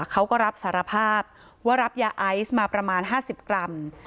เขาก็รับสารภาพว่ารับยาไอซ์มาประมาณ๕๐กรัม